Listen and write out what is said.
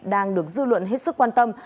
đang được dư luận hết sức quan tâm